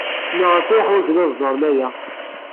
Maɣef ay ḥwajen ad ẓren aya?